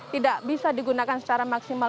tidak bisa digunakan secara maksimal